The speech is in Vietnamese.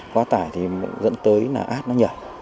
quá tải thì dẫn tới là át nó nhảy